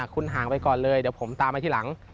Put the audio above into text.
คุณห่างไปก่อนเลยเดี๋ยวผมตามมาทีหลัง